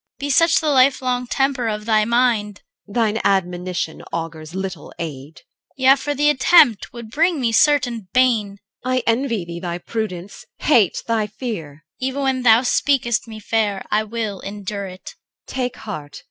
CHR. Be such the life long temper of thy mind! EL. Thine admonition augurs little aid. CHR. Yea. For the attempt would bring me certain bane. EL. I envy thee thy prudence, hate thy fear. CHR. Even when thou speak'st me fair, I will endure it. EL. Take heart.